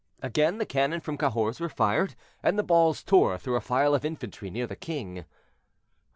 Again the cannon from Cahors were fired, and the balls tore through a file of infantry near the king.